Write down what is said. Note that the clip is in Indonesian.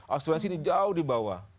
asuransi ini jauh di bawah